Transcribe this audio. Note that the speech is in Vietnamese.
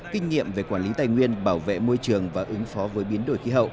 kinh nghiệm về quản lý tài nguyên bảo vệ môi trường và ứng phó với biến đổi